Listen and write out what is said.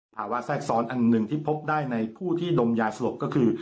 แทรกซ้อนอันหนึ่งที่พบได้ในผู้ที่ดมยาสลบก็คือ